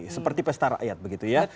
seperti pesta rakyat begitu ya